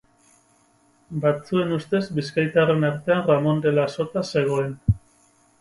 Batzuen ustez, bizkaitarren artean Ramon de la Sota zegoen.